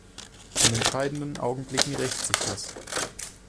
In entscheidenden Augenblicken rächt sich das.